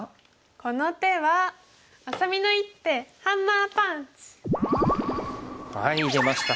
この手はあさみの一手ハンマーパンチ！出ました